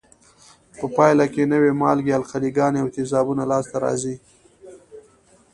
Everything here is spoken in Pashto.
په پایله کې نوې مالګې، القلي ګانې او تیزابونه لاس ته راځي.